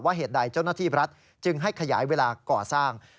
เหตุใดเจ้าหน้าที่รัฐจึงให้ขยายเวลาก่อสร้าง